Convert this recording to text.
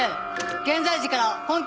現在時から本件